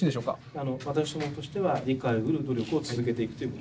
あの私どもとしては理解をうる努力を続けていくという。